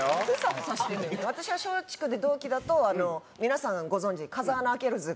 私は松竹で同期だと皆さんご存じ風穴あけるズが。